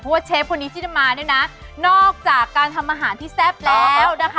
เพราะว่าเชฟคนนี้ที่จะมาเนี่ยนะนอกจากการทำอาหารที่แซ่บแล้วนะคะ